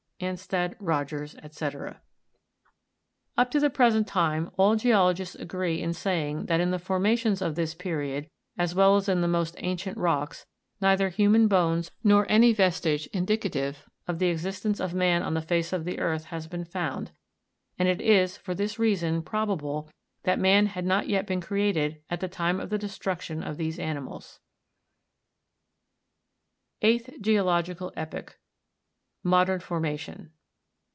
Jlnsted, Rogers, fyc. 40. Up to the present time all geologists agree in saying that in the formations of this period, as well as in the most ancient rocks, neither human bones nor any vestige indicative of the existence of man on the face of the earth has been found, and it is, for this rea son, probable that man had not yet been created at the time of the destruction of these animals. EIGHTH GEOLOGICAL EPOCH. Modern Formation.